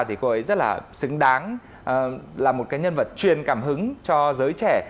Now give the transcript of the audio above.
thì cô ấy rất là xứng đáng là một nhân vật chuyên cảm hứng cho giới trẻ